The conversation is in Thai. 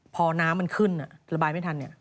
พอน้ำมันขึ้นระบายไม่ทันเนี่ย